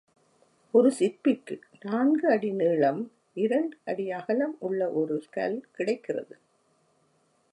ஒரு சிற்பிக்கு நான்கு அடி நீளம், இரண்டு அடி அகலம் உள்ள ஒரு கல் கிடைக்கிறது.